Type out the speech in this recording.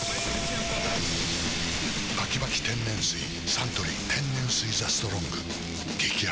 サントリー天然水「ＴＨＥＳＴＲＯＮＧ」激泡